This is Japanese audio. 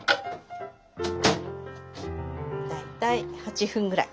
大体８分ぐらい。